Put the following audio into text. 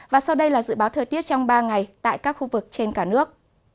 và sau đây là dự báo thời tiết trong ba ngày tại các khu vực trên cả nước